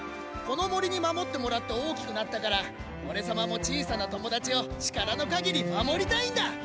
この森に守ってもらって大きくなったからおれ様も小さな友達を力の限り守りたいんだ！